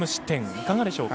いかがでしょうか。